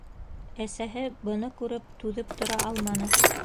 Әсәһе, быны күреп, түҙеп тора алманы: